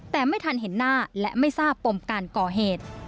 แต่ไม่ทันเห็นหน้าและไม่ทราบปมการก่อเหตุ